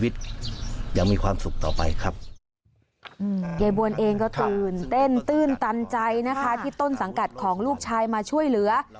ตื่นเต้นตื่นตันใจนะคะที่ต้นสังกัดของลูกชายมาช่วยเหลือ